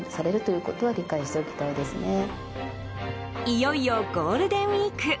いよいよゴールデンウィーク。